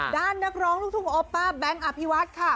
นักร้องลูกทุ่งโอป้าแบงค์อภิวัฒน์ค่ะ